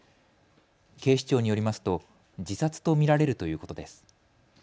警視庁によりますと自殺と見られるということです。